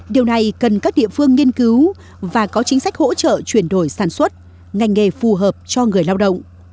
điều này cần các địa phương nghiên cứu và có chính sách hỗ trợ chuyển đổi sản xuất ngành nghề phù hợp cho người lao động